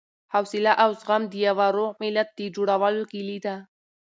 حوصله او زغم د یوه روغ ملت د جوړولو کیلي ده.